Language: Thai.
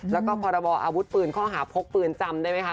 แล้วก็พรบออาวุธปืนข้อหาพกปืนจำได้ไหมคะ